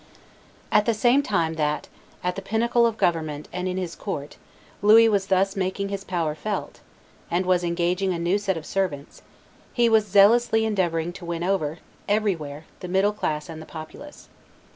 At the same time that at the pinnacle of government and in his court Louis was thus making his power felt, and was engaging a new set of servants, he was zealously endeavoring to win over, everywhere, the middle classes and the populace.